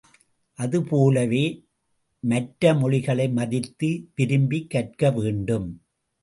அது போலவே, மற்றமொழிகளை மதித்து விரும்பிக் கற்க வேண்டும்.